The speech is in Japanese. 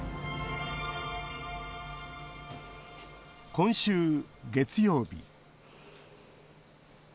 今週、月曜日。